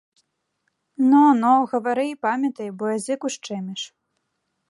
Но, но, гавары і памятай, бо язык ушчэміш.